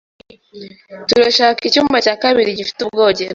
Turashaka icyumba cya kabiri gifite ubwogero.